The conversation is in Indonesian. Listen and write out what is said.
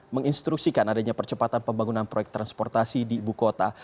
menginstruksikan adanya percepatan pembangunan proyek transportasi di ibu kota